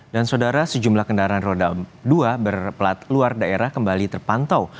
dan saudara sejumlah kendaraan roda dua berplat luar daerah kembali terpantau